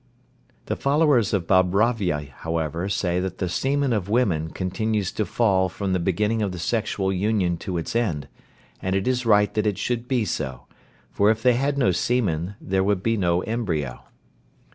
The followers of Babhravya, however, say that the semen of women continues to fall from the beginning of the sexual union to its end, and it is right that it should be so, for if they had no semen there would be no embryo.